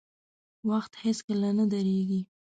• وخت هیڅکله نه درېږي.